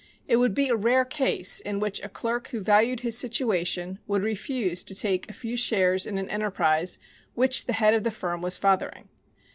It would be a rare case in which a clerk who valued his situation would refuse to take a few shares in an enterprise which the head of the firm was fathering.